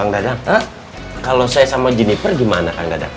kang gadang kalau saya sama jeniper gimana